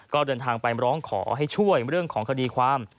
ก็เดินทางไปร้องขอให้ช่วยเรื่องของคดีความ